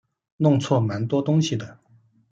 弄错蛮多东西的